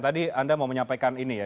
tadi anda mau menyampaikan ini ya